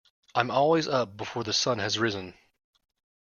I'm always up before the sun has risen.